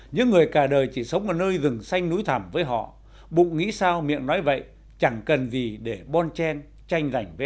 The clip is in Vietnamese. ba những người cả đời chỉ sống ở nơi rừng xanh núi thẳm với họ bụng nghĩ sao miệng nói vậy chẳng cần gì để bon chen tranh giảnh với ai